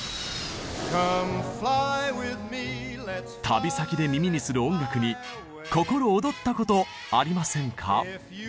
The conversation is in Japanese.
旅先で耳にする音楽に心躍ったことありませんか？